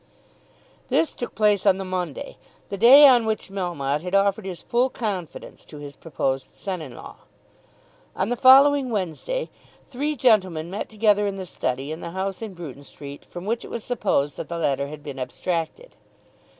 This took place on the Monday, the day on which Melmotte had offered his full confidence to his proposed son in law. On the following Wednesday three gentlemen met together in the study in the house in Bruton Street from which it was supposed that the letter had been abstracted.